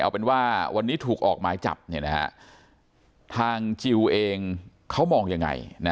เอาเป็นว่าวันนี้ถูกออกหมายจับทางจิลเองเขามองยังไง